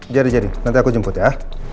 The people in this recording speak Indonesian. jadi jadi nanti aku jemput ya